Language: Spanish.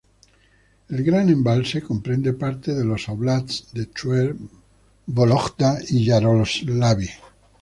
El gran embalse comprende parte de los óblasts de Tver, Vólogda y Yaroslavl.